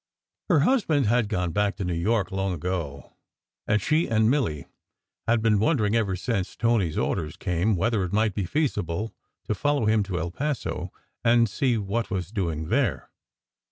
Her husband had gone back to New York long ago, and she and Milly had been wondering ever since Tony s orders came, whether it might be feasible to follow him to El Paso, and "see what was doing there."